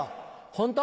ホント？